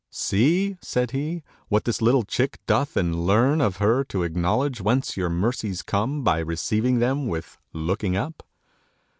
'See,' said he, 'what this little chick doth, and learn of her to acknowledge whence your mercies come, by receiving them with looking up.'